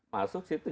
masuk situ jadi